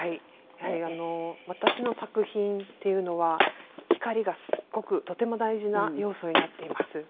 やはり私の作品っていうのは光がすごくとても大事な要素になっています。